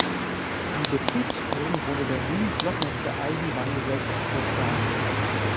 Die Betriebsführung wurde der "Wien-Gloggnitzer Eisenbahn-Gesellschaft" übertragen.